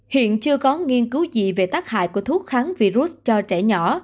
hiện chưa có nghiên cứu gì về tác hại của thuốc kháng virus cho trẻ nhỏ